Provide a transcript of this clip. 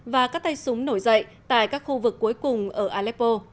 và các tay súng nổi dậy tại các khu vực cuối cùng ở aleppo